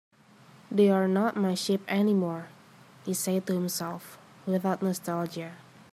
"They're not my sheep anymore," he said to himself, without nostalgia.